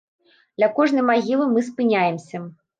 Ля кожнай магілы мы спыняемся.